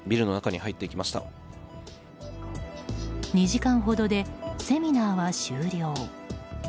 ２時間ほどでセミナーは終了。